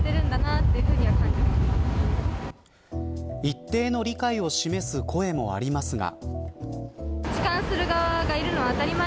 一定の理解を示す声もありますが。